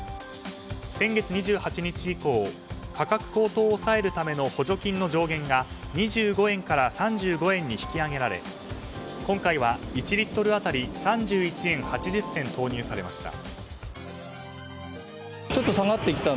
先月２８日以降価格高騰を抑えるための補助金の上限が２５円から３５円に引き上げられ今回は１リットル当たり３１円８０銭投入されました。